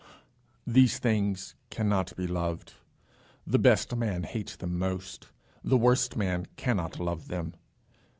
These things cannot be loved. The best man hates them most; the worst man cannot love them.